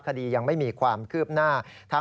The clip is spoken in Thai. คดียังไม่มีความคืบหน้า